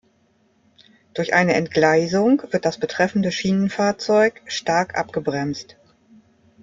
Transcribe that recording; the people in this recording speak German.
Durch eine Entgleisung wird das betreffende Schienenfahrzeug stark abgebremst.